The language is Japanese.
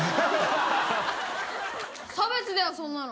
「差別だよそんなの」